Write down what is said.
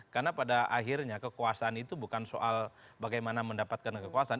karena pada akhirnya kekuasaan itu bukan soal bagaimana mendapatkan kekuasaan